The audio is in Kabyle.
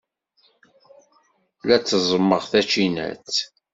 La tteẓẓmeɣ tacinat.